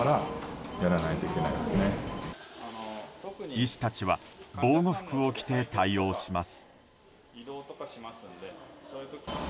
医師たちは防護服を着て対応します。